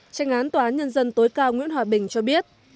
tránh ngán tòa án nhân dân tối cao nguyễn hòa bình cho biết